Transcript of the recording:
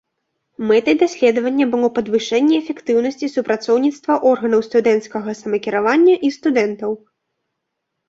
Мэтай даследавання было падвышэнне эфектыўнасці супрацоўніцтва органаў студэнцкага самакіравання і студэнтаў.